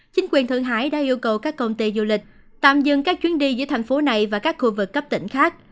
chính quyền thượng hải đã yêu cầu các công ty du lịch tạm dừng các chuyến đi giữa thành phố này và các khu vực cấp tỉnh khác